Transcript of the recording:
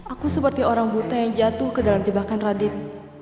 aku seperti orang buta yang jatuh ke dalam jebakan radit